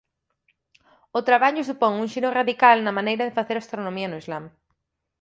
O traballo supón un xiro radical na maneira de facer astronomía no Islam.